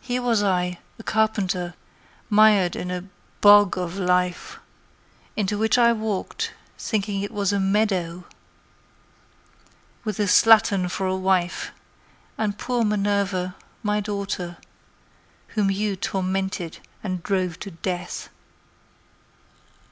Here was I, a carpenter, mired in a bog of life Into which I walked, thinking it was a meadow, With a slattern for a wife, and poor Minerva, my daughter, Whom you tormented and drove to death.